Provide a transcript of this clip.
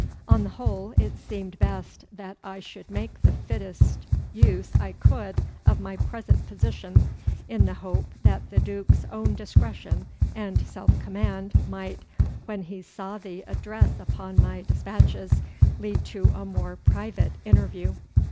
On the whole, it seemed best that I should make the fittest use I could of my present position in the hope that the Duke's own discretion and self command might, when he saw the address upon my despatches, lead to a more private interview.